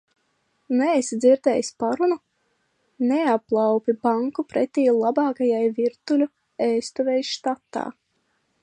Neesi dzirdējis parunu: neaplaupi banku pretī labākajai virtuļu ēstuvei štatā?